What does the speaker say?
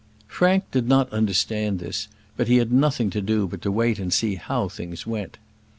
Frank did not understand this, but he had nothing to do but to wait and see how things went.